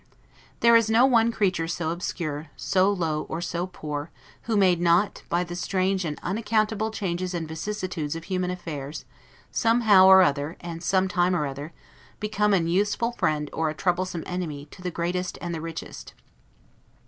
There is no one creature so obscure, so low, or so poor, who may not, by the strange and unaccountable changes and vicissitudes of human affairs, somehow or other, and some time or other, become an useful friend or a trouble some enemy, to the greatest and the richest.